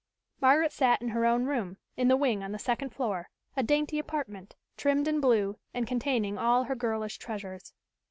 Margaret sat in her own room, in the wing on the second floor, a dainty apartment, trimmed in blue and containing all her girlish treasures.